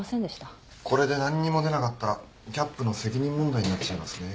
これで何にも出なかったらキャップの責任問題になっちゃいますね。